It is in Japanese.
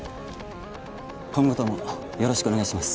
今後ともよろしくお願いします。